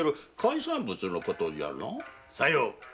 さよう！